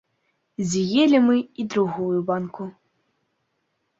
З'елі мы і другую банку.